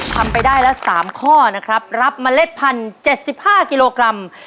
ทำไปได้แล้วสามข้อนะครับรับเมล็ดพันเจ็ดสิบห้ากิโลกรัม